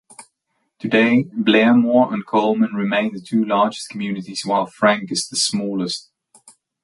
Today, Blairmore and Coleman remain the two largest communities while Frank is the smallest.